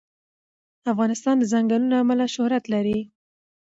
افغانستان د ځنګلونه له امله شهرت لري.